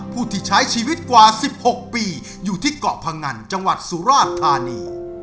ผู้ที่ใช้ชีวิตกว่า๑๖ปีอยู่ที่เกาะพงันจังหวัดสุราชธานี